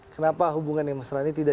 kenapa hubungan yang mesra ini tidak